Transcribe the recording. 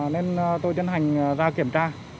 nên tôi tiến hành ra kiểm tra